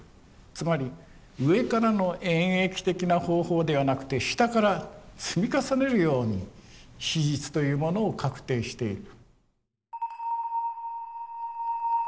つまり上からの演繹的な方法ではなくて下から積み重ねるように史実というものを確定していく。